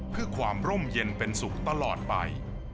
เพื่อความร่มเย็นเป็นสุขตลอดไป